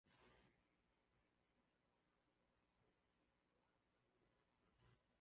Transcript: mwingiliano na watumiaji wengine na walanguzi